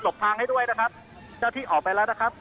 ทางให้ด้วยนะครับเจ้าที่ออกไปแล้วนะครับ